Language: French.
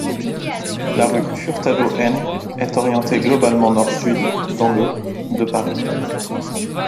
La rue Furtado-Heine est orientée globalement nord-sud, dans le de Paris.